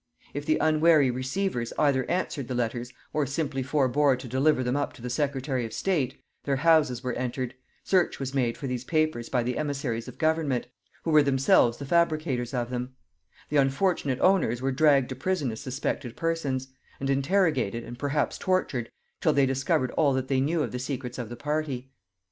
If the unwary receivers either answered the letters, or simply forbore to deliver them up to the secretary of state, their houses were entered; search was made for these papers by the emissaries of government, who were themselves the fabricators of them; the unfortunate owners were dragged to prison as suspected persons; and interrogated, and perhaps tortured, till they discovered all that they knew of the secrets of the party.